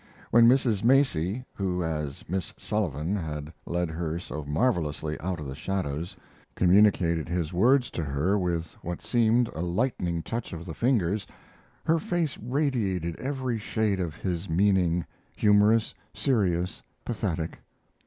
When Mrs. Macy (who, as Miss Sullivan, had led her so marvelously out of the shadows) communicated his words to her with what seemed a lightning touch of the fingers her face radiated every shade of his meaning humorous, serious, pathetic.